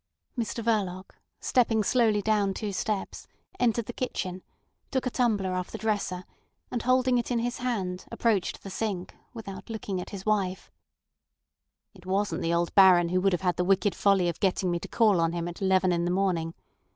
Mr Verloc, stepping slowly down two steps, entered the kitchen, took a tumbler off the dresser, and holding it in his hand, approached the sink, without looking at his wife. "It wasn't the old Baron who would have had the wicked folly of getting me to call on him at eleven in the morning.